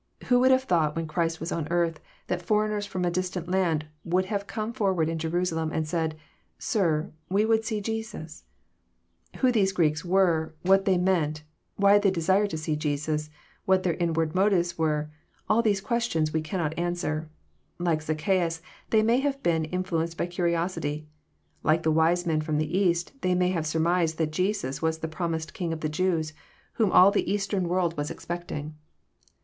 Who would have thought when Christ was on earth, that foreigners from a distant land would have come forward in Jerusalem, and said, " Sir, we would see Jusus "? Who these Greeks were, what they meant, why they desired to see Jesus, what their inward motives were, — all these are questions we cannot answer. Like Zaccheus, they may have been influenced by curiosity. Like the wise men from the East, they may have surmised that Jesus was the prom ised King of the Jews, whom all the eastern world was 332 EXFOSITOBT THOUGHTS. expecting.